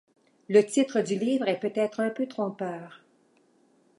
Le titre du livre est peut-être un peu trompeur.